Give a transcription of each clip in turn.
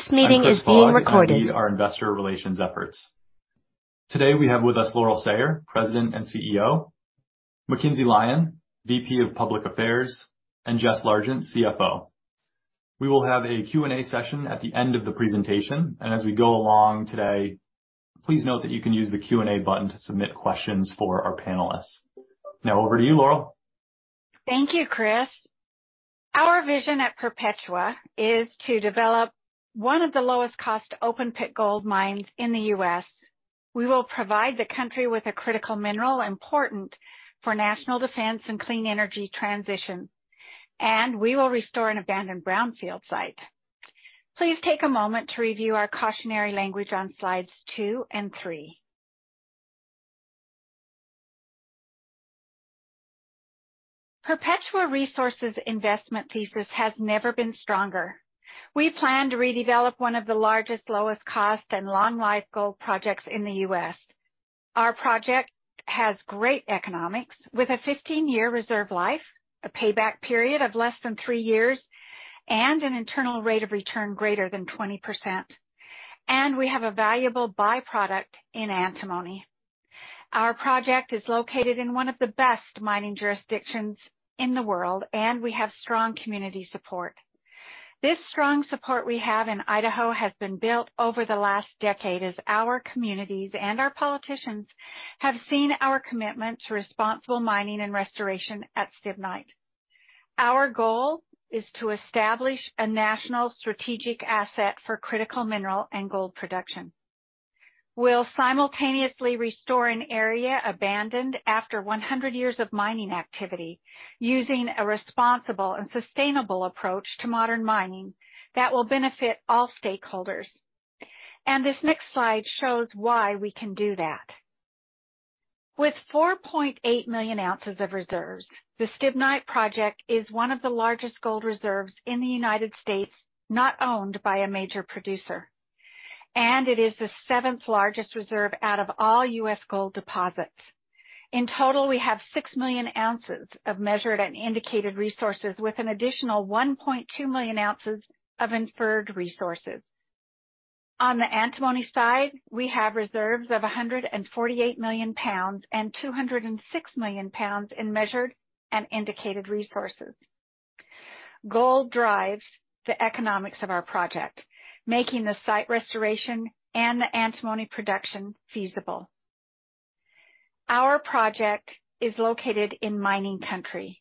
This meeting is being recorded. I'm Chris Fogg. I lead our investor relations efforts. Today we have with us Laurel Sayer, President and CEO, McKinsey Lyon, VP of Public Affairs, and Jessica Largent, CFO. We will have a Q&A session at the end of the presentation. As we go along today, please note that you can use the Q&A button to submit questions for our panelists. Over to you, Laurel. Thank you, Chris. Our vision at Perpetua is to develop one of the lowest cost open pit gold mines in the U.S. We will provide the country with a critical mineral important for national defense and clean energy transition, and we will restore an abandoned brownfield site. Please take a moment to review our cautionary language on slides two and three. Perpetua Resources investment thesis has never been stronger. We plan to redevelop one of the largest, lowest cost and long life gold projects in the U.S. Our project has great economics with a 15-year reserve life, a payback period of less than three years, and an internal rate of return greater than 20%. We have a valuable byproduct in antimony. Our project is located in one of the best mining jurisdictions in the world, and we have strong community support. This strong support we have in Idaho has been built over the last decade as our communities and our politicians have seen our commitment to responsible mining and restoration at Stibnite. Our goal is to establish a national strategic asset for critical mineral and gold production. We'll simultaneously restore an area abandoned after 100 years of mining activity using a responsible and sustainable approach to modern mining that will benefit all stakeholders. This next slide shows why we can do that. With 4.8 million ounces of reserves, the Stibnite Project is one of the largest gold reserves in the U.S. not owned by a major producer, and it is the seventh largest reserve out of all U.S. gold deposits. In total, we have 6 million ounces of measured and indicated resources, with an additional 1.2 million ounces of inferred resources. On the antimony side, we have reserves of 148 million pounds and 206 million pounds in measured and indicated resources. Gold drives the economics of our project, making the site restoration and the antimony production feasible. Our project is located in mining country.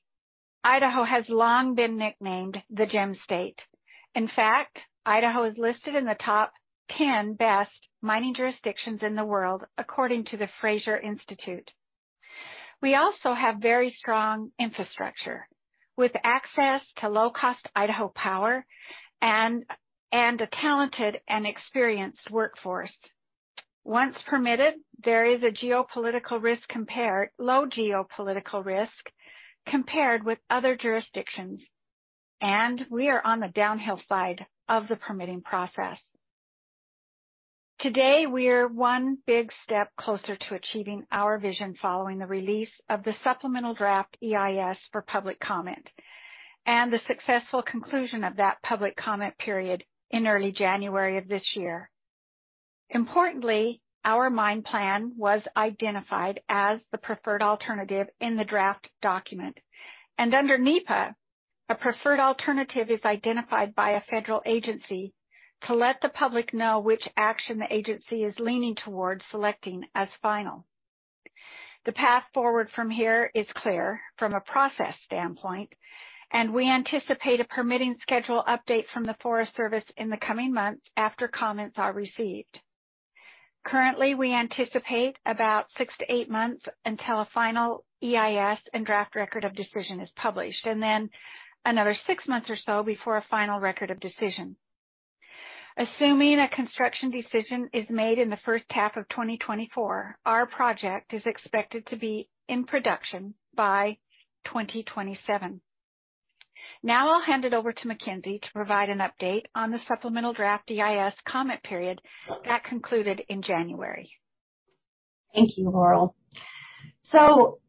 Idaho has long been nicknamed the Gem State. In fact, Idaho is listed in the top 10 best mining jurisdictions in the world, according to the Fraser Institute. We also have very strong infrastructure with access to low cost Idaho Power and a talented and experienced workforce. Once permitted, there is low geopolitical risk compared with other jurisdictions, and we are on the downhill side of the permitting process. Today, we're one big step closer to achieving our vision following the release of the Supplemental Draft EIS for public comment and the successful conclusion of that public comment period in early January of this year. Importantly, our mine plan was identified as the Preferred Alternative in the draft document. Under NEPA, a Preferred Alternative is identified by a federal agency to let the public know which action the agency is leaning towards selecting as final. The path forward from here is clear from a process standpoint, and we anticipate a permitting schedule update from the Forest Service in the coming months after comments are received. Currently, we anticipate about six-eight months until a final EIS and draft Record of Decision is published, and then another six months or so before a final Record of Decision. Assuming a construction decision is made in the first half of 2024, our project is expected to be in production by 2027. I'll hand it over to Mckinsey to provide an update on the Supplemental Draft EIS comment period that concluded in January. Thank you, Laurel.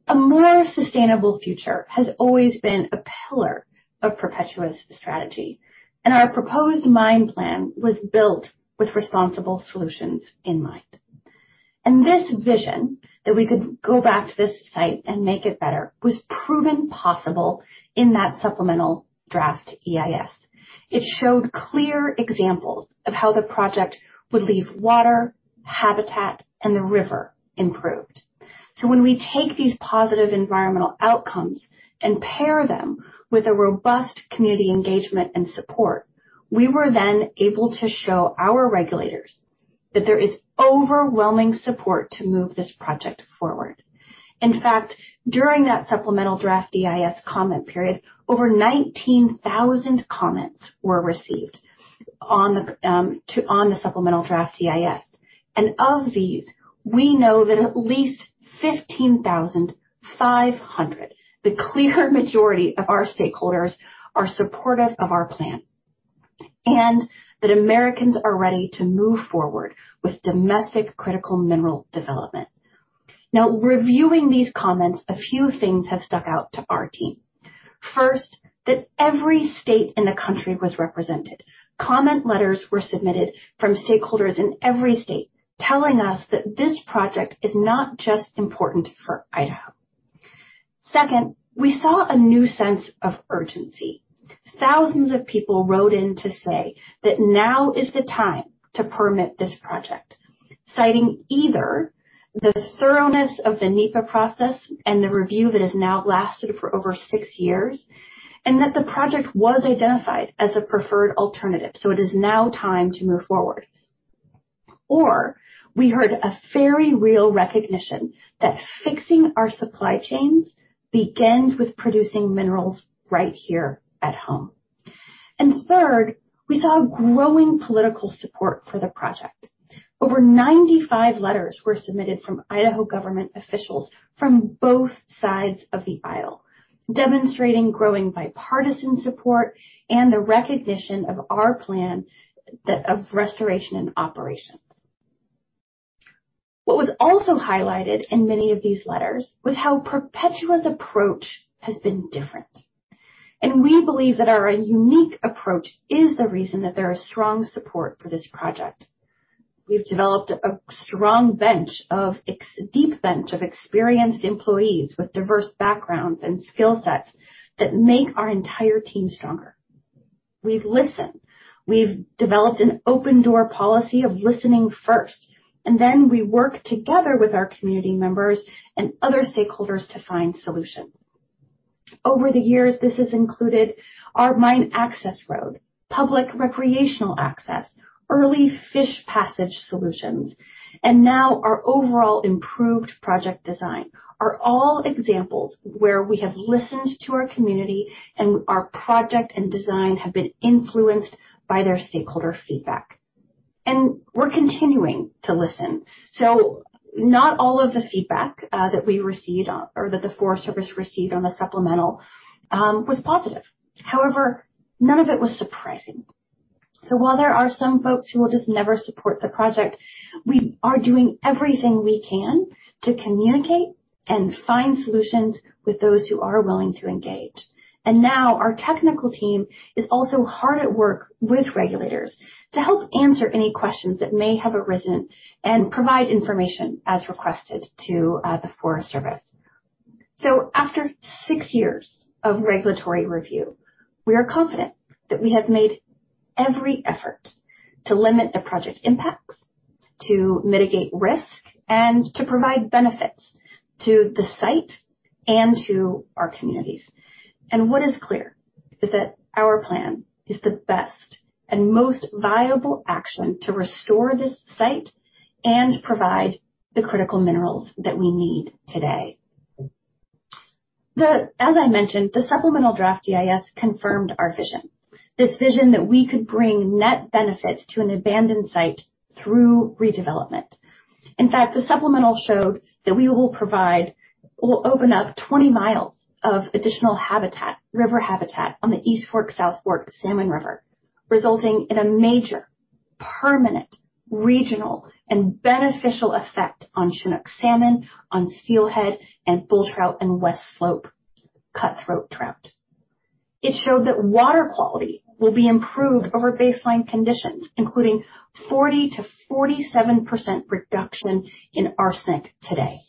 A more sustainable future has always been a pillar of Perpetua's strategy. Our proposed mine plan was built with responsible solutions in mind. This vision that we could go back to this site and make it better was proven possible in that Supplemental Draft EIS. It showed clear examples of how the project would leave water, habitat, and the river improved. When we take these positive environmental outcomes and pair them with a robust community engagement and support, we were then able to show our regulators that there is overwhelming support to move this project forward. In fact, during that Supplemental Draft EIS comment period, over 19,000 comments were received on the Supplemental Draft EIS. Of these, we know that at least 15,500, the clear majority of our stakeholders are supportive of our plan and that Americans are ready to move forward with domestic critical mineral development. Reviewing these comments, a few things have stuck out to our team. First, that every state in the country was represented. Comment letters were submitted from stakeholders in every state telling us that this project is not just important for Idaho. Second, we saw a new sense of urgency. Thousands of people wrote in to say that now is the time to permit this project, citing either the thoroughness of the NEPA process and the review that has now lasted for over six years, and that the project was identified as a Preferred Alternative, it is now time to move forward. We heard a very real recognition that fixing our supply chains begins with producing minerals right here at home. Third, we saw growing political support for the project. Over 95 letters were submitted from Idaho government officials from both sides of the aisle, demonstrating growing bipartisan support and the recognition of our plan of restoration and operations. What was also highlighted in many of these letters was how Perpetua's approach has been different. We believe that our unique approach is the reason that there is strong support for this project. We've developed a strong deep bench of experienced employees with diverse backgrounds and skill sets that make our entire team stronger. We've listened. We've developed an open door policy of listening first, and then we work together with our community members and other stakeholders to find solutions. Over the years, this has included our mine access road, public recreational access, early fish passage solutions, and now our overall improved project design are all examples where we have listened to our community and our project and design have been influenced by their stakeholder feedback. We're continuing to listen. Not all of the feedback that we received on or that the Forest Service received on the supplemental was positive. However, none of it was surprising. While there are some folks who will just never support the project, we are doing everything we can to communicate and find solutions with those who are willing to engage. Now our technical team is also hard at work with regulators to help answer any questions that may have arisen and provide information as requested to the Forest Service. After six years of regulatory review, we are confident that we have made every effort to limit the project impacts, to mitigate risk, and to provide benefits to the site and to our communities. What is clear is that our plan is the best and most viable action to restore this site and provide the critical minerals that we need today. As I mentioned, the Supplemental Draft EIS confirmed our vision. This vision that we could bring net benefits to an abandoned site through redevelopment. In fact, the supplemental showed that we will provide or open up 20 miles of additional habitat, river habitat on the East Fork/South Fork Salmon River, resulting in a major permanent regional and beneficial effect on Chinook salmon, on steelhead, and bull trout in Westslope cutthroat trout. It showed that water quality will be improved over baseline conditions, including 40%-47% reduction in arsenic today.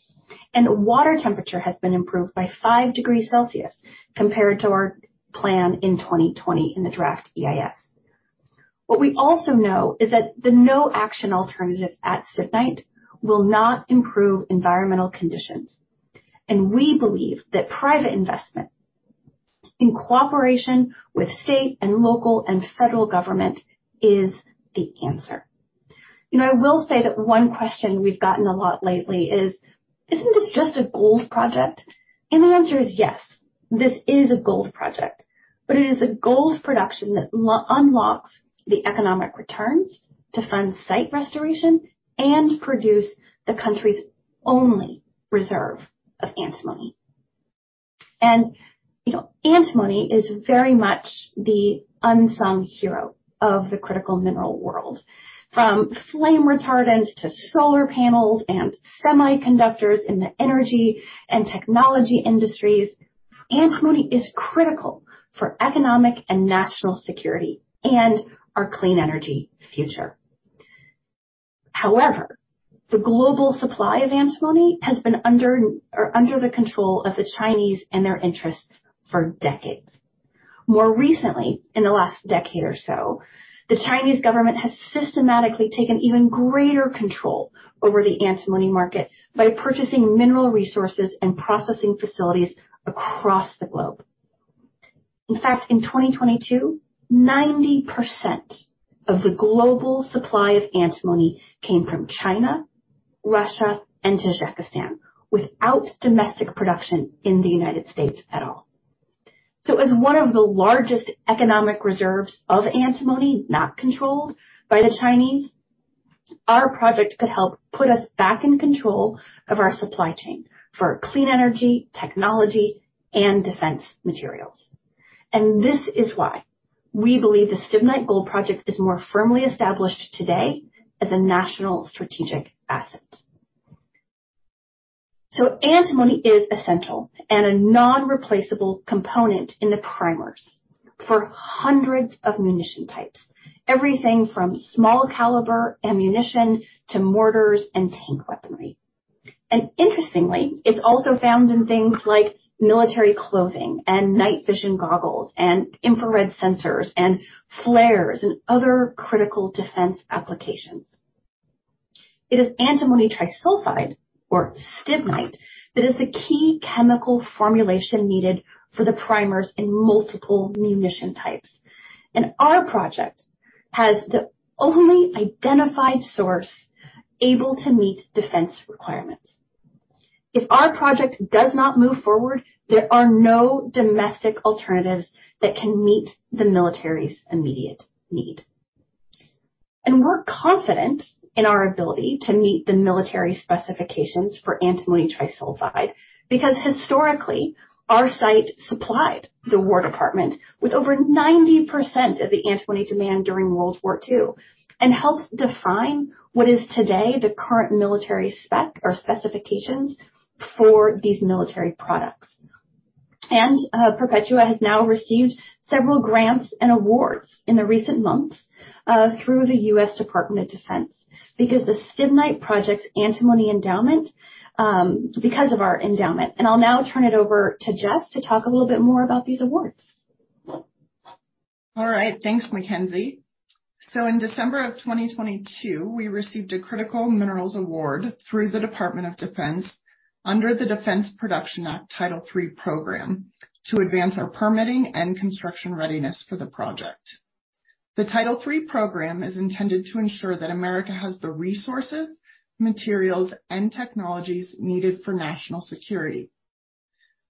Water temperature has been improved by 5 degrees Celsius compared to our plan in 2020 in the Draft EIS. What we also know is that the no-action alternative at Stibnite will not improve environmental conditions, we believe that private investment in cooperation with state and local and federal government is the answer. You know, I will say that one question we've gotten a lot lately is, "Isn't this just a gold project?" The answer is yes, this is a gold project. It is a gold production that unlocks the economic returns to fund site restoration and produce the country's only reserve of antimony. You know, antimony is very much the unsung hero of the critical mineral world. From flame retardants to solar panels and semiconductors in the energy and technology industries, antimony is critical for economic and national security and our clean energy future. The global supply of antimony has been under the control of the Chinese and their interests for decades. More recently, in the last decade or so, the Chinese government has systematically taken even greater control over the antimony market by purchasing mineral resources and processing facilities across the globe. In fact, in 2022, 90% of the global supply of antimony came from China, Russia, and Tajikistan without domestic production in the United States at all. As one of the largest economic reserves of antimony not controlled by the Chinese, our project could help put us back in control of our supply chain for clean energy, technology, and defense materials. This is why we believe the Stibnite Gold Project is more firmly established today as a national strategic asset. Antimony is essential and a non-replaceable component in the primers for hundreds of munition types, everything from small caliber ammunition to mortars and tank weaponry. Interestingly, it's also found in things like military clothing and night vision goggles, and infrared sensors, and flares, and other critical defense applications. It is antimony trisulfide or stibnite that is the key chemical formulation needed for the primers in multiple munition types. Our project has the only identified source able to meet defense requirements. If our project does not move forward, there are no domestic alternatives that can meet the military's immediate need. We're confident in our ability to meet the military specifications for antimony trisulfide because historically, our site supplied the War Department with over 90% of the antimony demand during World War II, and helped define what is today the current military spec or specifications for these military products. Perpetua has now received several grants and awards in the recent months through the U.S. Department of Defense because the Stibnite project's antimony endowment, because of our endowment. I'll now turn it over to Jess to talk a little bit more about these awards. All right. Thanks, McKinsey. In December of 2022, we received a critical minerals award through the Department of Defense under the Defense Production Act Title III program to advance our permitting and construction readiness for the project. The Title III program is intended to ensure that America has the resources, materials, and technologies needed for national security.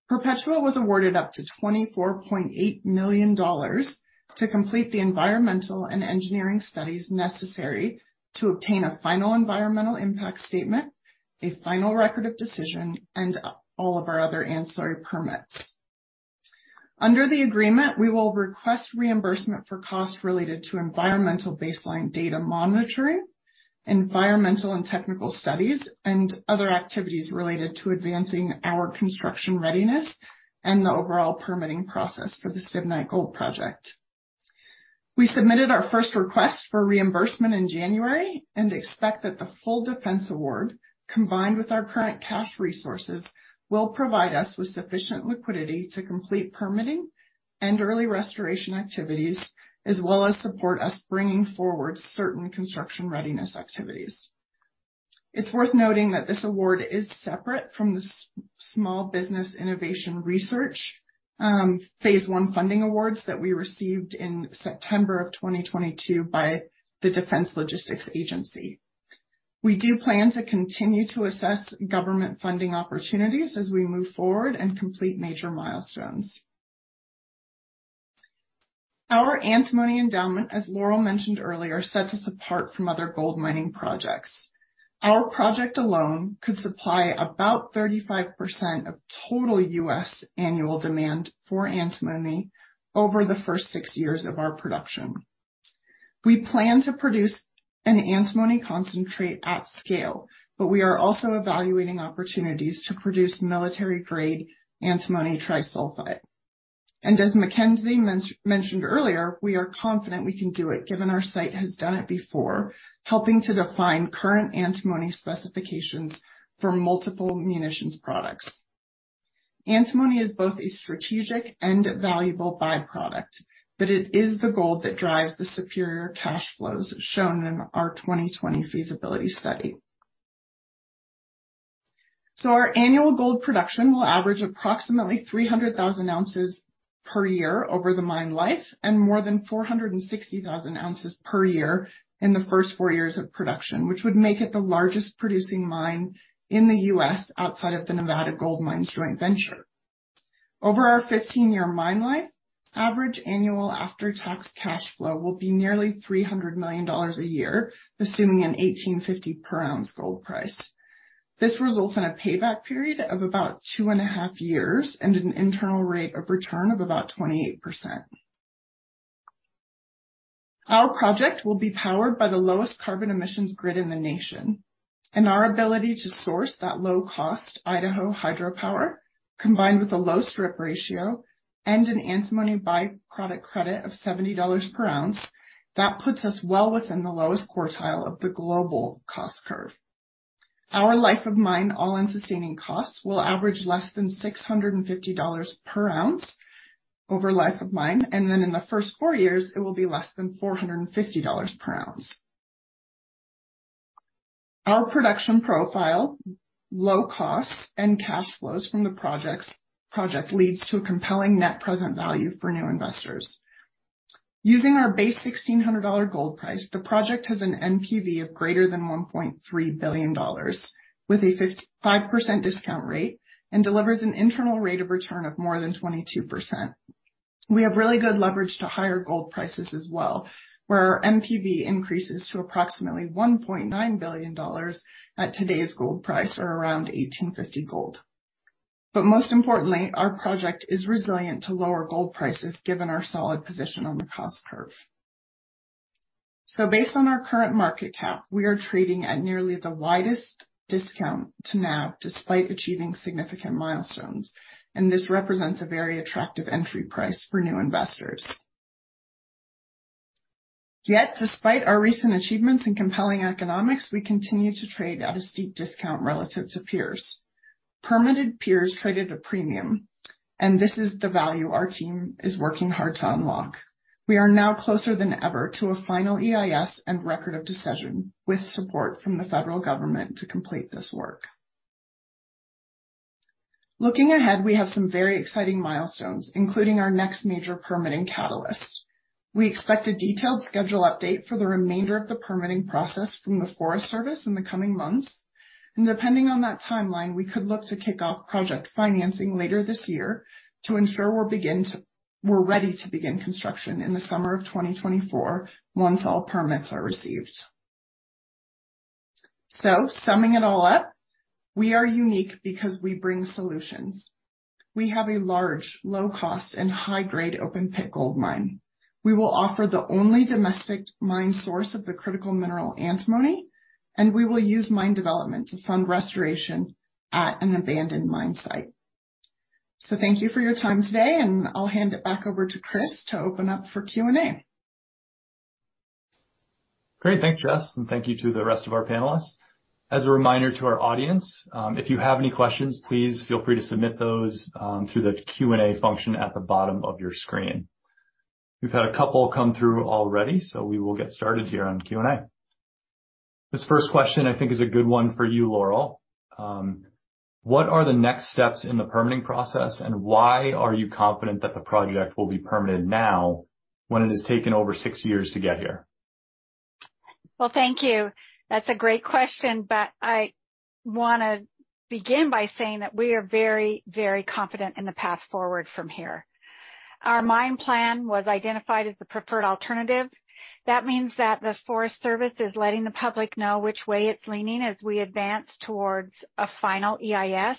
Perpetua was awarded up to $24.8 million to complete the environmental and engineering studies necessary to obtain a final Environmental Impact Statement, a final Record of Decision, and all of our other ancillary permits. Under the agreement, we will request reimbursement for costs related to environmental baseline data monitoring, environmental and technical studies, and other activities related to advancing our construction readiness and the overall permitting process for the Stibnite Gold Project. We submitted our first request for reimbursement in January and expect that the full defense award, combined with our current cash resources, will provide us with sufficient liquidity to complete permitting and early restoration activities, as well as support us bringing forward certain construction readiness activities. It's worth noting that this award is separate from the Small Business Innovation Research Phase 1 funding awards that we received in September 2022 by the Defense Logistics Agency. We do plan to continue to assess government funding opportunities as we move forward and complete major milestones. Our antimony endowment, as Laurel mentioned earlier, sets us apart from other gold mining projects. Our project alone could supply about 35% of total U.S. annual demand for antimony over the first six years of our production. We plan to produce an antimony concentrate at scale, but we are also evaluating opportunities to produce military-grade antimony trisulfide. As Mckinsey mentioned earlier, we are confident we can do it, given our site has done it before, helping to define current antimony specifications for multiple munitions products. Antimony is both a strategic and valuable byproduct, but it is the gold that drives the superior cash flows shown in our 2020 feasibility study. Our annual gold production will average approximately 300,000 ounces per year over the mine life and more than 460,000 ounces per year in the first four years of production, which would make it the largest producing mine in the U.S. outside of the Nevada Gold Mines Joint Venture. Over our 15-year mine life, average annual after-tax cash flow will be nearly $300 million a year, assuming an $1,850 per ounce gold price. This results in a payback period of about two and a half years and an internal rate of return of about 28%. Our project will be powered by the lowest carbon emissions grid in the nation. Our ability to source that low cost Idaho hydropower, combined with a low strip ratio and an antimony byproduct credit of $70 per ounce, that puts us well within the lowest quartile of the global cost curve. Our life of mine, all-in sustaining costs will average less than $650 per ounce over life of mine. In the first four years it will be less than $450 per ounce. Our production profile, low cost, and cash flows from the project leads to a compelling net present value for new investors. Using our base $1,600 gold price, the project has an NPV of greater than $1.3 billion with a 55% discount rate and delivers an internal rate of return of more than 22%. We have really good leverage to higher gold prices as well, where our NPV increases to approximately $1.9 billion at today's gold price or around $1,850 gold. Most importantly, our project is resilient to lower gold prices given our solid position on the cost curve. Based on our current market cap, we are trading at nearly the widest discount to NAV despite achieving significant milestones, and this represents a very attractive entry price for new investors. Despite our recent achievements and compelling economics, we continue to trade at a steep discount relative to peers. Permitted peers traded a premium, this is the value our team is working hard to unlock. We are now closer than ever to a final EIS and Record of Decision, with support from the federal government to complete this work. Looking ahead, we have some very exciting milestones, including our next major permitting catalyst. We expect a detailed schedule update for the remainder of the permitting process from the Forest Service in the coming months. Depending on that timeline, we could look to kick off project financing later this year to ensure we're ready to begin construction in the summer of 2024 once all permits are received. Summing it all up, we are unique because we bring solutions. We have a large, low cost and high grade open pit gold mine. We will offer the only domestic mine source of the critical mineral antimony, and we will use mine development to fund restoration at an abandoned mine site. Thank you for your time today, and I'll hand it back over to Chris to open up for Q&A. Great. Thanks, Jess, and thank you to the rest of our panelists. As a reminder to our audience, if you have any questions, please feel free to submit those through the Q&A function at the bottom of your screen. We've had a couple come through already, so we will get started here on Q&A. This first question, I think is a good one for you, Laurel. What are the next steps in the permitting process, and why are you confident that the project will be permitted now when it has taken over six years to get here? Well, thank you. That's a great question, but I wanna begin by saying that we are very, very confident in the path forward from here. Our mine plan was identified as the Preferred Alternative. That means that the Forest Service is letting the public know which way it's leaning as we advance towards a final EIS.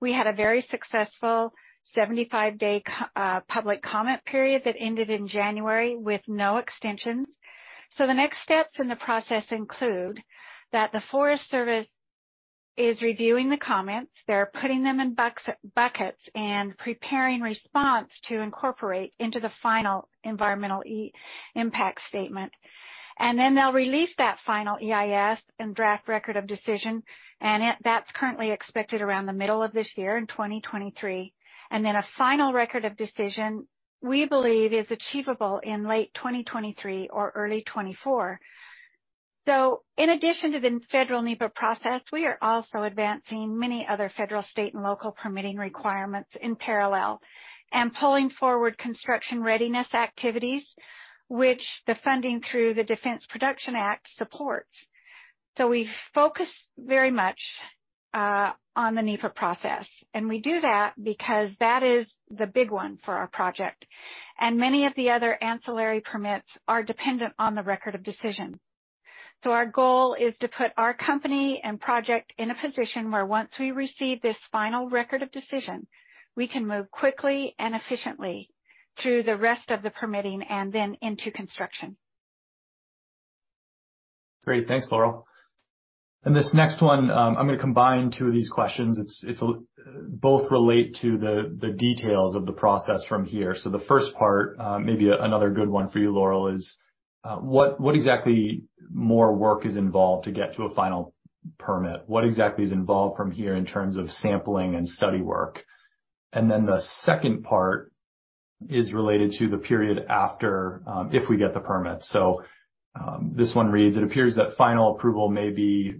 We had a very successful 75-day public comment period that ended in January with no extensions. The next steps in the process include that the Forest Service is reviewing the comments. They're putting them in buckets and preparing response to incorporate into the final environmental impact statement. They'll release that final EIS and draft Record of Decision, that's currently expected around the middle of this year in 2023. A final Record of Decision, we believe is achievable in late 2023 or early 2024. In addition to the federal NEPA process, we are also advancing many other federal, state, and local permitting requirements in parallel and pulling forward construction readiness activities, which the Defense Production Act supports. We focus very much on the NEPA process, and we do that because that is the big one for our project. Many of the other ancillary permits are dependent on the Record of Decision. Our goal is to put our company and project in a position where once we receive this final Record of Decision, we can move quickly and efficiently through the rest of the permitting and then into construction. Great. Thanks, Laurel. I'm gonna combine two of these questions. It's both relate to the details of the process from here. The first part, maybe another good one for you, Laurel, is what exactly more work is involved to get to a final permit? What exactly is involved from here in terms of sampling and study work? The second part is related to the period after, if we get the permit. This one reads: It appears that final approval may be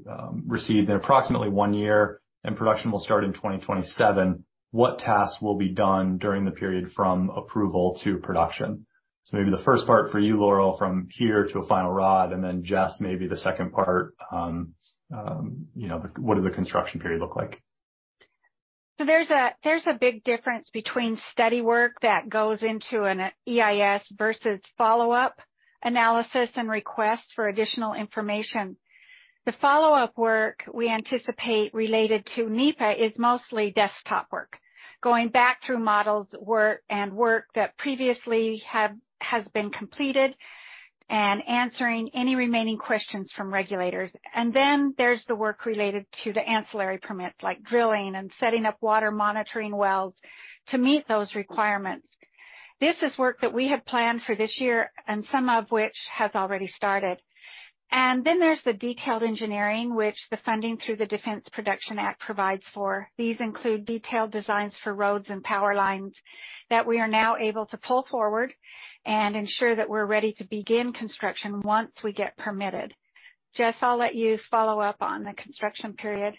received in approximately one year and production will start in 2027. What tasks will be done during the period from approval to production? Maybe the first part for you, Laurel, from here to a final ROD, and then Jess, maybe the second part, you know, what does the construction period look like? There's a big difference between study work that goes into an EIS versus follow-up analysis and requests for additional information. The follow-up work we anticipate related to NEPA is mostly desktop work, going back through models work, and work that previously has been completed and answering any remaining questions from regulators. There's the work related to the ancillary permits, like drilling and setting up water monitoring wells to meet those requirements. This is work that we have planned for this year and some of which has already started. There's the detailed engineering which the funding through the Defense Production Act provides for. These include detailed designs for roads and power lines that we are now able to pull forward and ensure that we're ready to begin construction once we get permitted. Jess, I'll let you follow up on the construction period.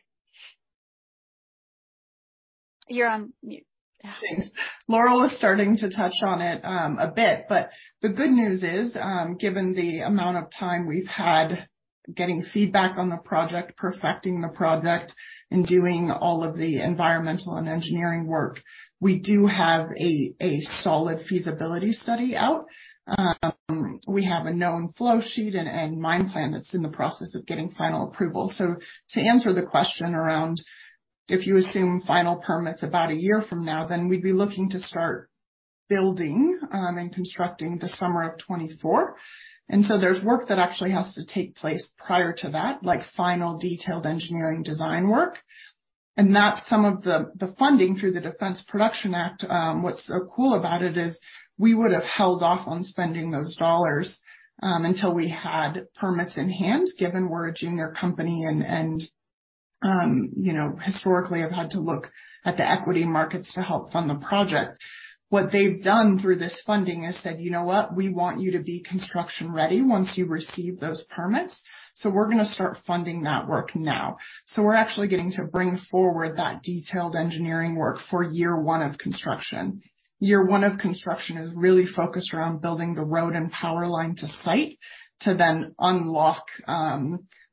You're on mute. Thanks. Laurel is starting to touch on it, a bit, but the good news is, given the amount of time we've had getting feedback on the project, perfecting the project, and doing all of the environmental and engineering work, we do have a solid feasibility study out. We have a known flow sheet and mine plan that's in the process of getting final approval. To answer the question around if you assume final permits about a year from now, then we'd be looking to start building and constructing the summer of 2024. There's work that actually has to take place prior to that, like final detailed engineering design work. That's some of the funding through the Defense Production Act, what's so cool about it is we would have held off on spending those dollars, until we had permits in hand, given we're a junior company and, you know, historically have had to look at the equity markets to help fund the project. What they've done through this funding is said, "You know what? We want you to be construction ready once you receive those permits, so we're gonna start funding that work now." We're actually getting to bring forward that detailed engineering work for year one of construction. Year one of construction is really focused around building the road and power line to site to then unlock,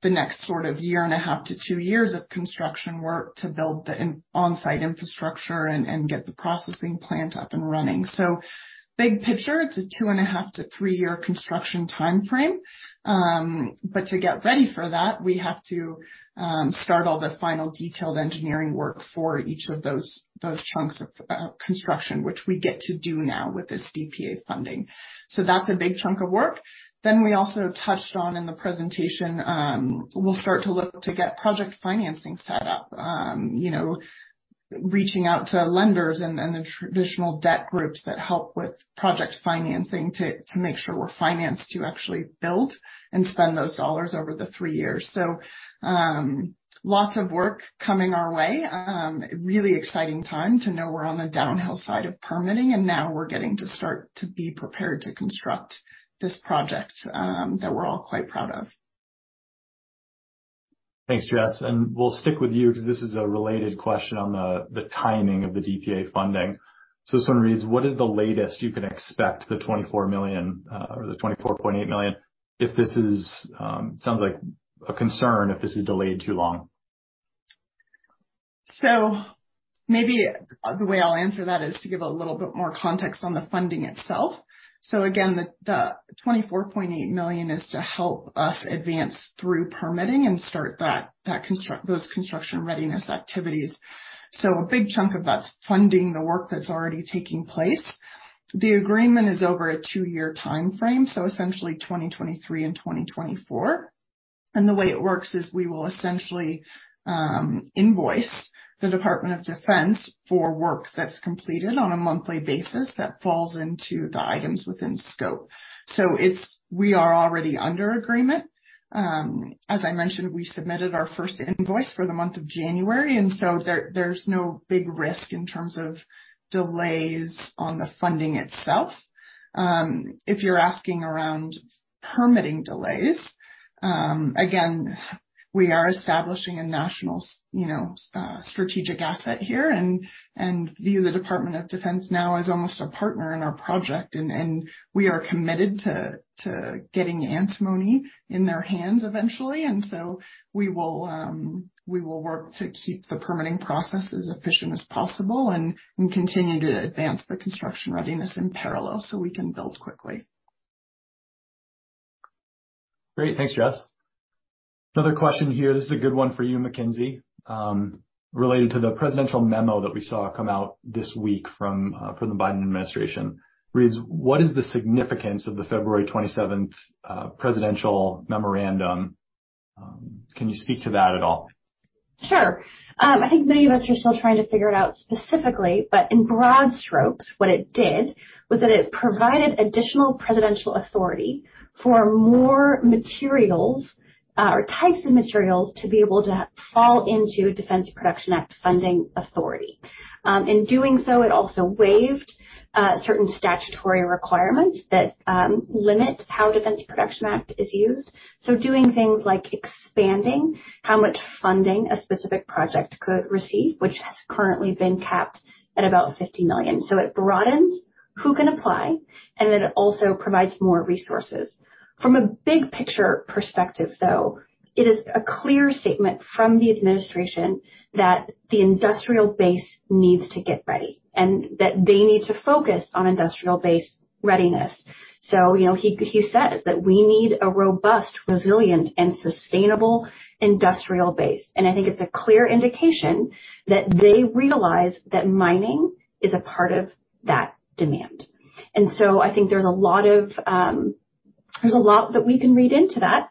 the next sort of year and a half to two years of construction work to build the on-site infrastructure and get the processing plant up and running. Big picture, it's a two and a half to three-year construction timeframe. To get ready for that, we have to start all the final detailed engineering work for each of those chunks of construction which we get to do now with this DPA funding. That's a big chunk of work. We also touched on in the presentation, we'll start to look to get project financing set up. you know, reaching out to lenders and the traditional debt groups that help with project financing to make sure we're financed to actually build and spend those dollars over the three years. Lots of work coming our way. Really exciting time to know we're on the downhill side of permitting, and now we're getting to start to be prepared to construct this project, that we're all quite proud of. Thanks, Jess. We'll stick with you because this is a related question on the timing of the DPA funding. This one reads: What is the latest you can expect the $24 million, or the $24.8 million, if this is, sounds like a concern if this is delayed too long? Maybe the way I'll answer that is to give a little bit more context on the funding itself. Again, the $24.8 million is to help us advance through permitting and start those construction readiness activities. A big chunk of that's funding the work that's already taking place. The agreement is over a two-year timeframe, essentially 2023 and 2024. The way it works is we will essentially invoice the Department of Defense for work that's completed on a monthly basis that falls into the items within scope. We are already under agreement. As I mentioned, we submitted our first invoice for the month of January, there's no big risk in terms of delays on the funding itself. If you're asking around permitting delays, again, we are establishing a national you know, strategic asset here and view the Department of Defense now as almost a partner in our project. We are committed to getting antimony in their hands eventually. We will work to keep the permitting process as efficient as possible and continue to advance the construction readiness in parallel so we can build quickly. Great. Thanks, Jess. Another question here. This is a good one for you, McKinsey. related to the presidential memo that we saw come out this week from the Biden administration. Reads: What is the significance of the February 27th presidential memorandum? Can you speak to that at all? Sure. I think many of us are still trying to figure it out specifically, but in broad strokes, what it did was that it provided additional presidential authority for more materials or types of materials to be able to fall into Defense Production Act funding authority. In doing so, it also waived certain statutory requirements that limit how Defense Production Act is used. Doing things like expanding how much funding a specific project could receive, which has currently been capped at about $50 million. It broadens who can apply, and then it also provides more resources. From a big picture perspective, though, it is a clear statement from the administration that the industrial base needs to get ready and that they need to focus on industrial base readiness. you know, he says that we need a robust, resilient and sustainable industrial base. I think it's a clear indication that they realize that mining is a part of that demand. I think there's a lot of, there's a lot that we can read into that.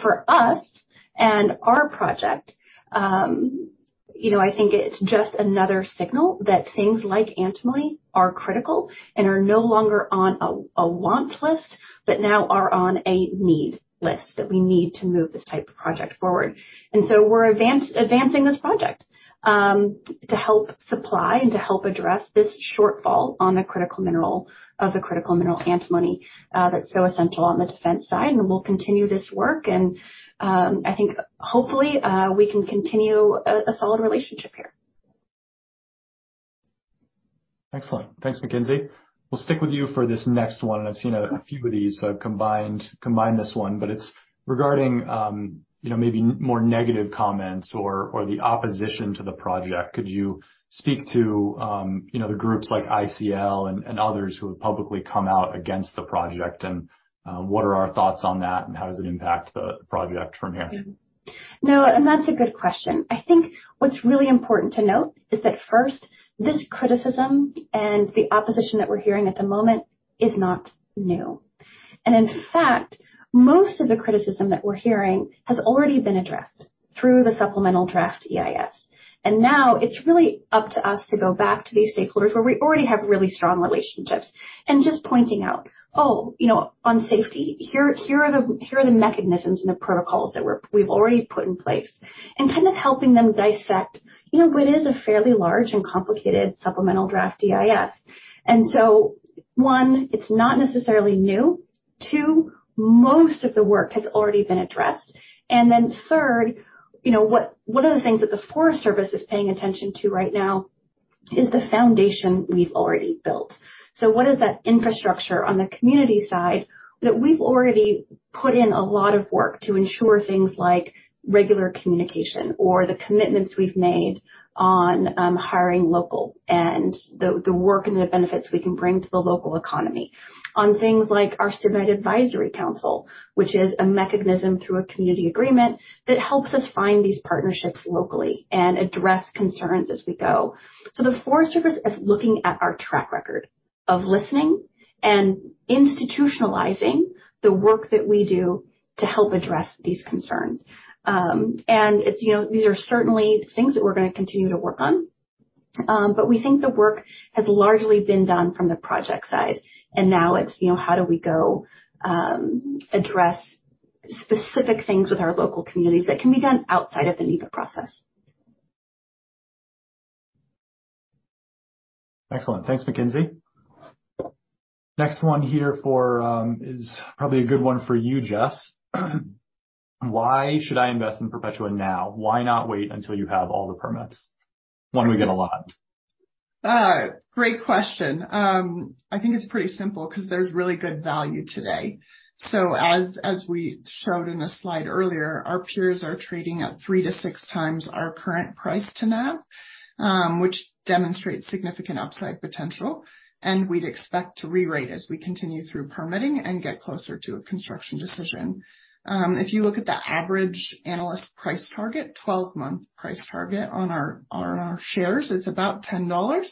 for us and our project, you know, I think it's just another signal that things like antimony are critical and are no longer on a want list, but now are on a need list, that we need to move this type of project forward. we're advancing this project to help supply and to help address this shortfall of the critical mineral antimony that's so essential on the defense side. We'll continue this work and, I think hopefully, we can continue a solid relationship here. Excellent. Thanks, Mckinsey. We'll stick with you for this next one. I've seen a few of these, so I've combined this one, but it's regarding, you know, maybe more negative comments or the opposition to the project. Could you speak to, you know, the groups like ICL and others who have publicly come out against the project, and what are our thoughts on that, and how does it impact the project from here? No, that's a good question. I think what's really important to note is that, first, this criticism and the opposition that we're hearing at the moment is not new. In fact, most of the criticism that we're hearing has already been addressed through the Supplemental Draft EIS. Now it's really up to us to go back to these stakeholders where we already have really strong relationships and just pointing out, oh, you know, on safety, here are the mechanisms and the protocols that we've already put in place, and kind of helping them dissect, you know, what is a fairly large and complicated Supplemental Draft EIS. One, it's not necessarily new. Two, most of the work has already been addressed. Third, you know, one of the things that the Forest Service is paying attention to right now is the foundation we've already built. What is that infrastructure on the community side that we've already put in a lot of work to ensure things like regular communication or the commitments we've made on, hiring local and the work and the benefits we can bring to the local economy. On things like our Stibnite Advisory Council, which is a mechanism through a community agreement that helps us find these partnerships locally and address concerns as we go. The Forest Service is looking at our track record of listening and institutionalizing the work that we do to help address these concerns. It's, you know, these are certainly things that we're gonna continue to work on. We think the work has largely been done from the project side, and now it's, you know, how do we go address specific things with our local communities that can be done outside of the NEPA process. Excellent. Thanks, McKinsey. Next one here for, is probably a good one for you, Jess. Why should I invest in Perpetua now? Why not wait until you have all the permits? When do we get a lot? Great question. I think it's pretty simple because there's really good value today. As we showed in a slide earlier, our peers are trading at three to six times our current price to NAV, which demonstrates significant upside potential, and we'd expect to rerate as we continue through permitting and get closer to a construction decision. If you look at the average analyst price target, 12-month price target on our shares, it's about $10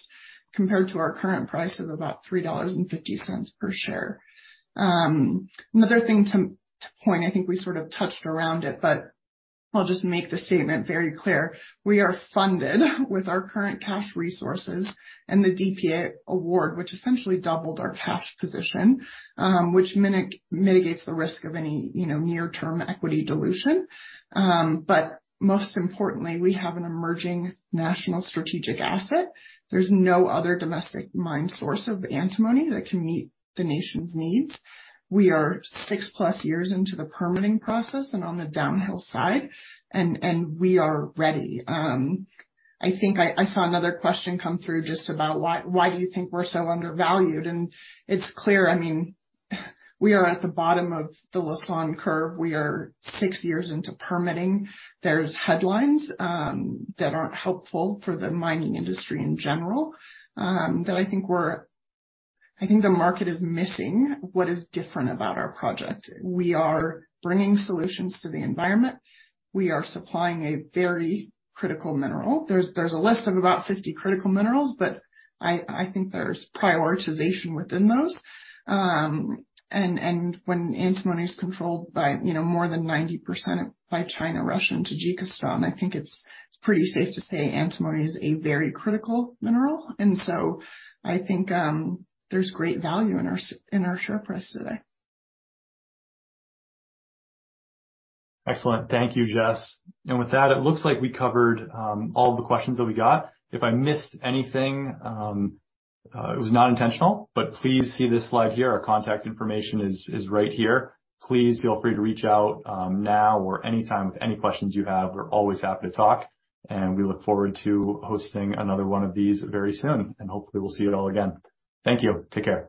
compared to our current price of about $3.50 per share. Another thing to point, I think we sort of touched around it, but I'll just make the statement very clear. We are funded with our current cash resources and the DPA award, which essentially doubled our cash position, which mitigates the risk of any, you know, near-term equity dilution. Most importantly, we have an emerging national strategic asset. There's no other domestic mine source of antimony that can meet the nation's needs. We are 6+ years into the permitting process and on the downhill side, and we are ready. I think I saw another question come through just about why do you think we're so undervalued? It's clear, I mean, we are at the bottom of the Lassonde Curve. We are six years into permitting. There's headlines that aren't helpful for the mining industry in general, that I think the market is missing what is different about our project. We are bringing solutions to the environment. We are supplying a very critical mineral. There's a list of about 50 critical minerals, but I think there's prioritization within those. When antimony is controlled by, you know, more than 90% by China, Russia, and Tajikistan, I think it's pretty safe to say antimony is a very critical mineral. I think there's great value in our share price today. Excellent. Thank you, Jess. With that, it looks like we covered all of the questions that we got. If I missed anything, it was not intentional, but please see this slide here. Our contact information is right here. Please feel free to reach out now or anytime with any questions you have. We're always happy to talk, and we look forward to hosting another one of these very soon. Hopefully we'll see it all again. Thank you. Take care.